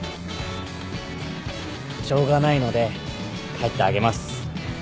しょうがないので帰ってあげます。